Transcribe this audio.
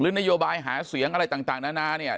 นโยบายหาเสียงอะไรต่างนานาเนี่ย